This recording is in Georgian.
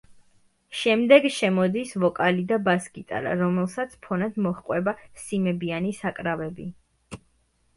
შემდეგ შემოდის ვოკალი და ბას-გიტარა, რომელსაც ფონად მოჰყვება სიმებიანი საკრავები.